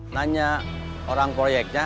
nanya orang proyeknya